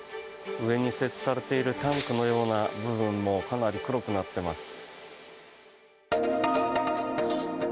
上に設置されているタンクのような部分もかなり黒くなっています。